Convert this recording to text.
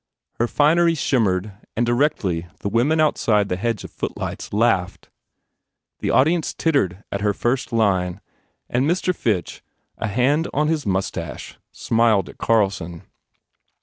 Her finery shim mered and directly the women outside the hedge of footlights laughed. The audience tittered at her first line and Mr. Fitch, a hand on his moustache, smiled at Carlson.